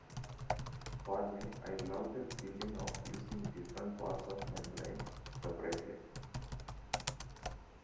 For me, I love the feeling of using different parts of my brain separately.